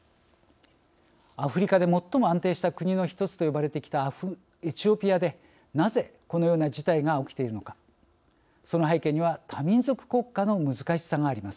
アフリカで最も安定した国の１つと呼ばれてきたエチオピアでなぜ、このような事態が起きているのかその背景には多民族国家の難しさがあります。